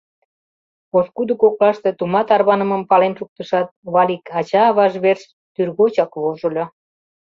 Пошкудо коклаште тума тарванымым пален шуктышат, Валик ача-аваж верч тӱргочак вожыльо.